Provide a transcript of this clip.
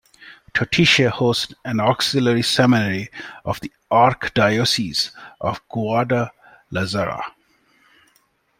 Totatiche hosts an auxiliary seminary of the Archdiocese of Guadalajara.